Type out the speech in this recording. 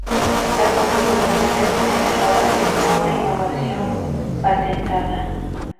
La configuración del tren de rodaje fue una innovación patentada.